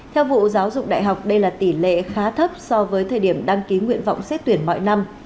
theo vụ giáo dục đại học đây là tỷ lệ khá thấp so với thời điểm đăng ký nguyện vọng xét tuyển mọi năm